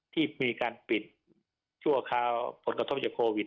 ที่มีการปิดชั่วคราวผลกระทบจากโควิด